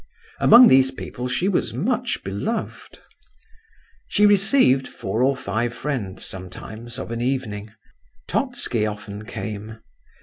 Among these people she was much beloved. She received four or five friends sometimes, of an evening. Totski often came.